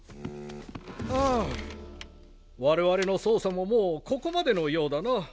あ我々の捜査ももうここまでのようだな。